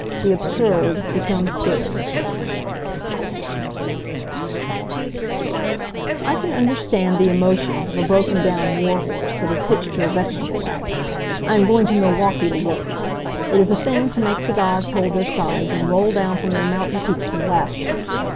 THE ABSURD BECOMES SERIOUS I can understand the emotions of a broken down war horse that is hitched to a vegetable wagon. I am going to Milwaukee to work! It is a thing to make the gods hold their sides and roll down from their mountain peaks with laughter.